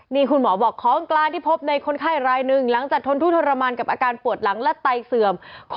นี่คุณหมอบอกของกลางที่พบในคนไข้รายหนึ่งหลังจากทนทุกทรมานกับอาการปวดหลังและไตเสื่อม